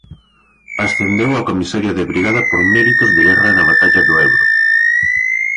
Ascendeu a comisario de Brigada por méritos de guerra na batalla do Ebro.